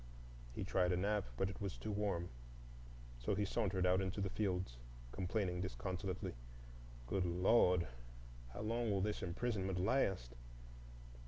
He tried a nap, but it was too warm. So he sauntered out into the fields, complaining disconsolately, "Good Lord! how long will this imprisonment last!"